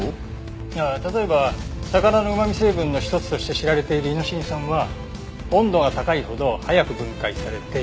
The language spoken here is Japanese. ああ例えば魚のうまみ成分の一つとして知られているイノシン酸は温度が高いほど早く分解されて量が減る。